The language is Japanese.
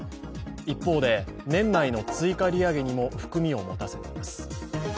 一方で、年内の追加利上げにも含みを持たせています。